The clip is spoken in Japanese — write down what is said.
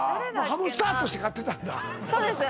「ハムスター」として飼ってたんだそうです